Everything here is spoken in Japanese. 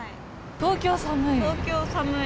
東京寒い。